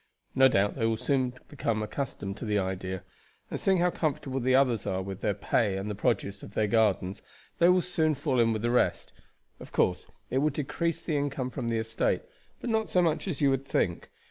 No doubt they will soon become accustomed to the idea, and seeing how comfortable the others are with their pay and the produce of their gardens they will soon fall in with the rest. Of course it will decrease the income from the estate, but not so much as you would think.